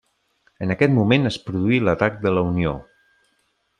En aquest moment, es produí l'atac de la Unió.